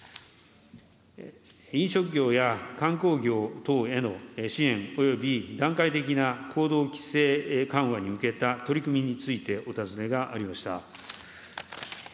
飲食業や観光業等への支援および段階的な行動規制緩和に向けた取り組みについてお尋ねがありました。